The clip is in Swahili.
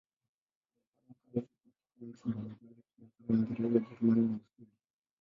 Alifanya kazi katika nchi mbalimbali, kwa mfano Uingereza, Ujerumani na Uswidi.